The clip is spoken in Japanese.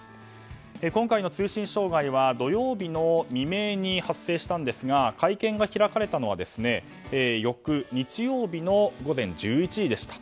今回の通信障害は土曜日の未明に発生したんですが会見が開かれたのは翌日曜日の午前１１時でした。